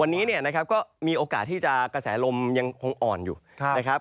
วันนี้เนี่ยนะครับก็มีโอกาสที่จะกระแสลมยังคงอ่อนอยู่นะครับ